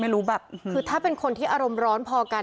แบบคือถ้าเป็นคนที่อารมณ์ร้อนพอกัน